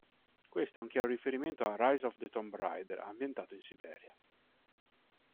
Questo è un chiaro riferimento a "Rise of the Tomb Raider", ambientato in Siberia.